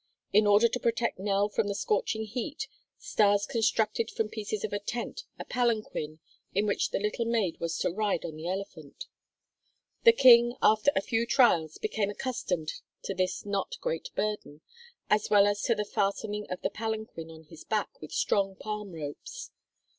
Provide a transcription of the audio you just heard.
In order to protect Nell from the scorching heat, Stas constructed from pieces of a tent a palanquin in which the little maid was to ride on the elephant. The King, after a few trials, became accustomed to this not great burden, as well as to the fastening of the palanquin on his back with strong palm ropes.